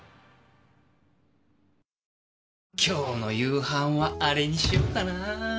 今日の夕飯はアレにしようかな。